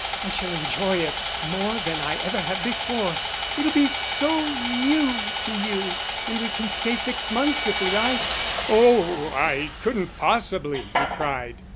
I shall enjoy it more than I ever have before; it'll be so new to you. And we can stay six months if we like." "Oh, I couldn't possibly," he cried.